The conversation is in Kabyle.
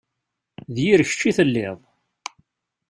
D yir kečč i telliḍ.